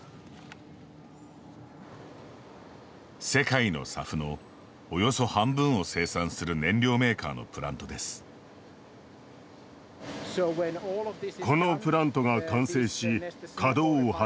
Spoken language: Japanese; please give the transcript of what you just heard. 世界のＳＡＦのおよそ半分を生産する燃料メーカーのプラントです。